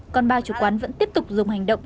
còn ba chủ quán vẫn tiếp tục dùng hành động